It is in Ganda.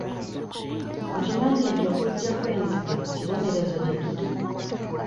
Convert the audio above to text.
Okimanyi nti okujja kw'enzige kibonerezo gye tuli?